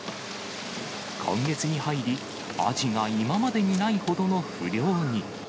今月に入り、アジが今までにないほどの不漁に。